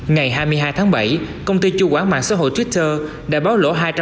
ngày hai mươi hai tháng bảy công ty chu quán mạng xã hội twitter đã báo lỗ